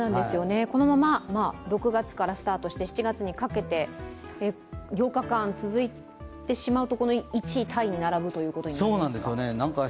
このまま６月からスタートして７月にかけて４日間続いてしまうと、１位タイに並ぶことになりますか？